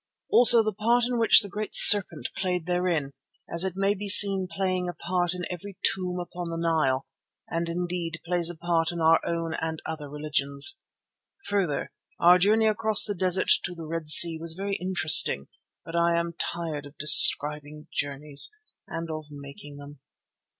Also the part which the great serpent played therein, as it may be seen playing a part in every tomb upon the Nile, and indeed plays a part in our own and other religions. Further, our journey across the desert to the Red Sea was very interesting, but I am tired of describing journeys—and of making them.